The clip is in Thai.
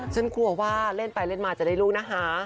ฉันกลัวว่าเล่นไปเล่นมาจะได้ลูกนะคะ